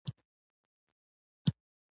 د بې آبیو او بې عزتیو سپو راته غپلي دي.